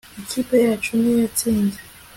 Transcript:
ikipe yacu niyo yatsinze